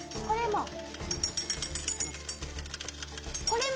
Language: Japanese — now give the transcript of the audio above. これも。